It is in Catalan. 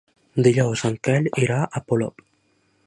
Dijous en Quel irà a Polop.